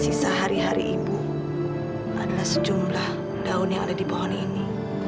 sisa hari hari ibu adalah sejumlah daun yang ada di pohon ini